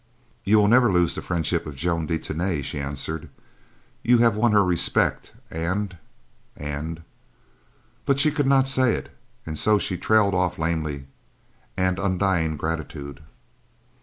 "You will never lose the friendship of Joan de Tany," she answered. "You have won her respect and—and—" But she could not say it and so she trailed off lamely—"and undying gratitude."